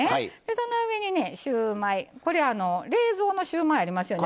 その上にシューマイ冷蔵のシューマイありますよね